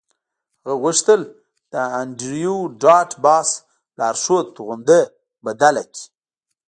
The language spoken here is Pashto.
هغه غوښتل د انډریو ډاټ باس لارښود توغندی بدل کړي